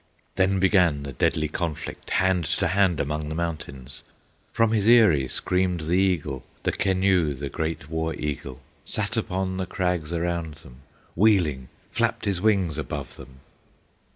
Then began the deadly conflict, Hand to hand among the mountains; From his eyry screamed the eagle, The Keneu, the great war eagle, Sat upon the crags around them, Wheeling flapped his wings above them.